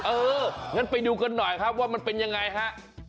เอองั้นไปดูกันหน่อยครับว่ามันเป็นยังไงฮะ